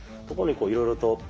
ところにいろいろと。